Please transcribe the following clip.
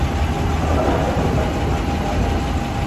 গতকাল রাতে তাঁর বোনকে বাসায় রেখে মাকে নিয়ে পারিবারিক কাজে ঢাকায় যান।